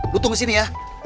lu tunggu sini ya